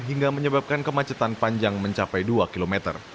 hingga menyebabkan kemacetan panjang mencapai dua km